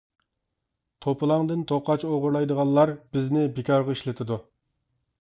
«توپىلاڭدىن توقاچ ئوغرىلايدىغانلار» بىزنى بىكارغا ئىشلىتىدۇ.